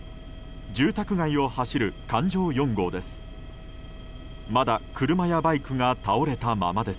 住宅街を走る環状４号です。